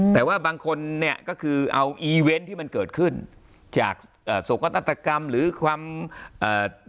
แต่ว่าบางคนเนี่ยก็คือเอาที่มันเกิดขึ้นจากอ่าสกตรกรรมหรือความอ่า